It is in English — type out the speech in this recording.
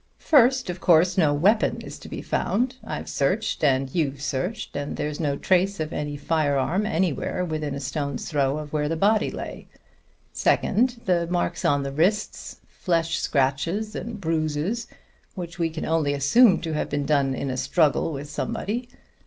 "First, of course, no weapon is to be found. I've searched, and you've searched, and there's no trace of any firearm anywhere within a stone's throw of where the body lay. Second, the marks on the wrists, flesh scratches and bruises, which we can only assume to have been done in a struggle with somebody.